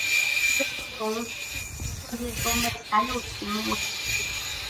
出生的幼虫是吃粪便中其他昆虫幼虫为生。